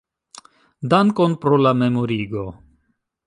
Dankon pro la memorigo.